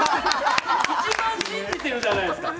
一番信じてるじゃないですか！